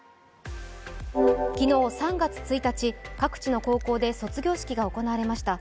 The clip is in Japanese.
昨日、３月１日、各地の高校で卒業式が行われました。